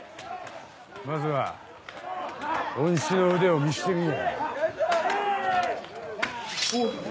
まずはおんしの腕を見せてみぃ。